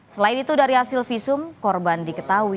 selain itu dari hasil visum korban diketahui